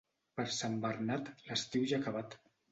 Per Sant Bernat, l'estiu ja ha acabat.